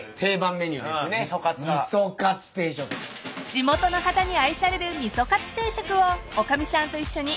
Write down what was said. ［地元の方に愛されるみそかつ定食を女将さんと一緒に］